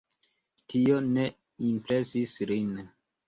Tio ne impresis lin.